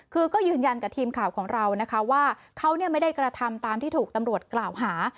คือก็ยืนยันกับทีมข่าวของเรานะคะว่าเขาไม่ได้กระทำตามที่ถูกตำรวจกล่าวหา